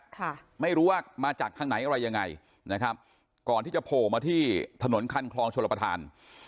ค่ะไม่รู้ว่ามาจากทางไหนอะไรยังไงนะครับก่อนที่จะโผล่มาที่ถนนคันคลองชลประธาน